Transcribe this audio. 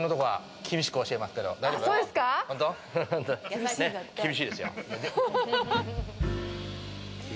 厳しいですよ。